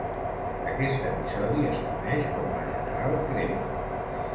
Aquest episodi es coneix com La General Crema.